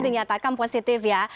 dinyatakan positif ya